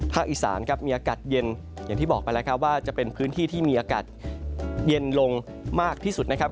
อีสานครับมีอากาศเย็นอย่างที่บอกไปแล้วครับว่าจะเป็นพื้นที่ที่มีอากาศเย็นลงมากที่สุดนะครับ